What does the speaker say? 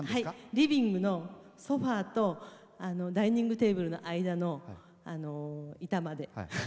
リビングのソファーとダイニングテーブルの間の板間で。